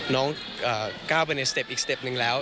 น้องก้าวไปในสเต็ปอีกสเต็ปหนึ่งแล้ว